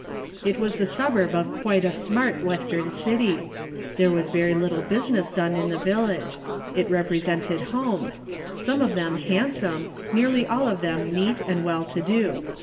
It was the suburb of quite a smart Western city ; there was very little business done in the village ; it represented homes ; some of them handsome, nearly all of them neat and well to do.